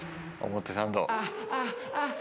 表参道。